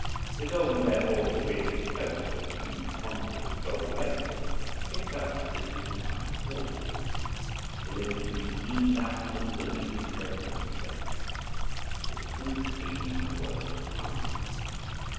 Resolving therefore to rid his coat of a huge quantity of gold lace, he picked up the stitches with much caution and diligently gleaned out all the loose threads as he went, which proved to be a work of time.